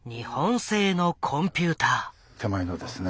手前のですね